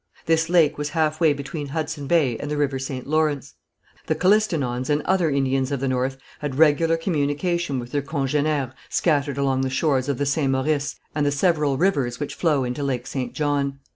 This lake was half way between Hudson Bay and the river St. Lawrence. The Kilistinons and other Indians of the north had regular communication with their congénères scattered along the shores of the St. Maurice and the several rivers which flow into Lake St. John.